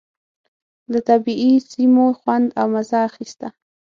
له طبعي سیمو خوند او مزه اخيسته.